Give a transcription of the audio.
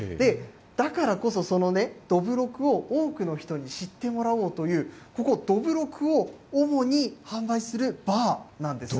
だからこそ、そのね、どぶろくを多くの人に知ってもらおうという、ここ、どぶろくを主に販売するバーなんです。